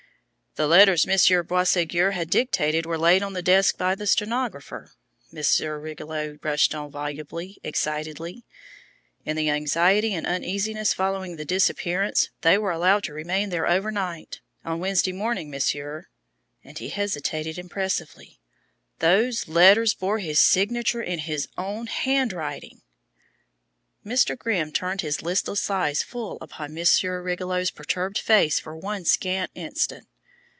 "The letters Monsieur Boisségur had dictated were laid on his desk by the stenographer," Monsieur Rigolot rushed on volubly, excitedly. "In the anxiety and uneasiness following the disappearance they were allowed to remain there overnight. On Wednesday morning, Monsieur" and he hesitated impressively "those letters bore his signature in his own handwriting!" Mr. Grimm turned his listless eyes full upon Monsieur Rigolot's perturbed face for one scant instant.